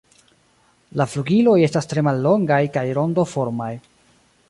La flugiloj estas tre mallongaj kaj rondoformaj.